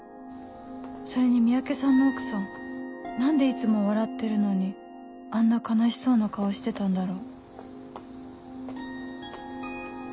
それに三宅さんの奥さん何でいつも笑ってるのにあんな悲しそうな顔してたんだろう？